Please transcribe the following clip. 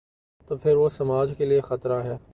تو پھر وہ سماج کے لیے خطرہ ہے۔